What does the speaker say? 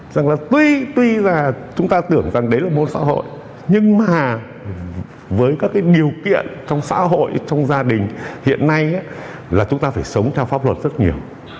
rằng là tuy là chúng ta tưởng rằng đấy là môn phá hội nhưng mà với các điều kiện trong xã hội trong gia đình hiện nay là chúng ta phải sống theo pháp luật rất nhiều